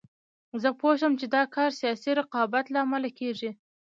زه پوه شوم چې دا کار سیاسي رقابت له امله کېږي.